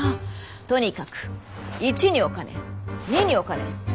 とにかく一にお金二にお金。